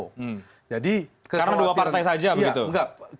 karena dua partai saja begitu